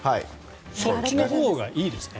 そっちのほうがいいですね。